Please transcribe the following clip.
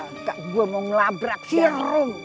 enggak gue mau ngelabrak si rum